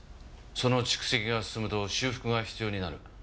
その蓄積が進むと修復が必要になる。